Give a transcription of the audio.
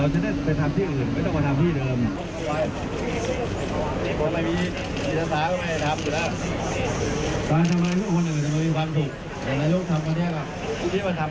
ที่มันทำให้คนอื่นมันทำให้คนอื่นเชื่อครับ